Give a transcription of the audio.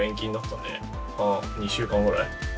２週間ぐらい。